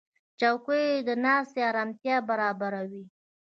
چوکۍ د ناستې آرامتیا برابروي.